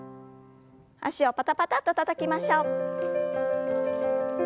脚をパタパタッとたたきましょう。